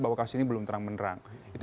bahwa kasus ini belum terang menerang